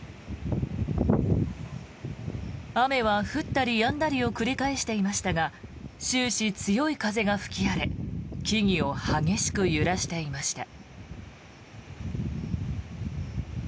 雨は降ったりやんだりを繰り返していましたが終始、強い風が吹き荒れ木々を激しく揺らしていました。